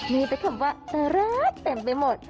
นี่แปลกว่าตราตเต็มไปหมด